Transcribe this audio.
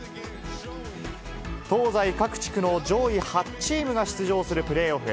東西各地区の上位８チームが出場するプレーオフ。